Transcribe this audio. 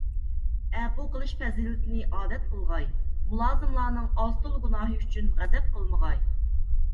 ئەپۇ قىلىش پەزىلىتىنى ئادەت قىلغاي، مۇلازىملارنىڭ ئاز - تولا گۇناھى ئۈچۈن غەزەپ قىلمىغاي.